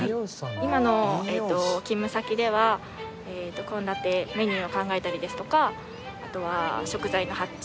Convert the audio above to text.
今の勤務先では献立メニューを考えたりですとかあとは食材の発注